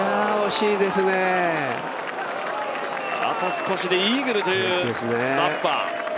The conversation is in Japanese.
あと少しでイーグルというバッバ。